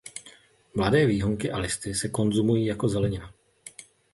Mladé výhonky a listy se konzumují jako zelenina.